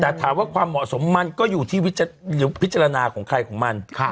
แต่ถามว่าความเหมาะสมมันก็อยู่ที่พิจารณาของใครของมัน